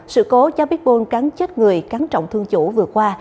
sự cố cháu pitbull cắn chết người cắn trọng thương chủ vừa qua